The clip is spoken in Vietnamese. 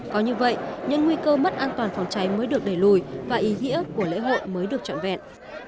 có như vậy nhưng nguy cơ mất an toàn phòng cháy mới được đẩy lùi và ý nghĩa của lễ hội mới được trọn vẹn